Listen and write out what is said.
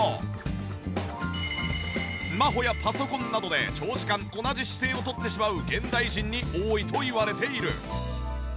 スマホやパソコンなどで長時間同じ姿勢をとってしまう現代人に多いといわれている。